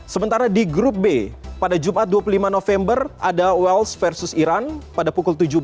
sementara di grup b pada jumat dua puluh lima november ada wales versus iran pada pukul tujuh belas